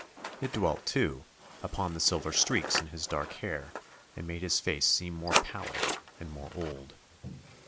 It dwelt, too, upon the silver streaks in his dark hair and made his face seem more pallid, and more old.